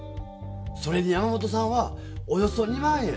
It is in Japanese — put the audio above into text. それに山本さんは「およそ２万円。